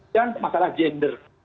dan masalah gender